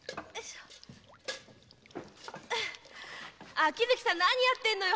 秋月さん何やってんのよ！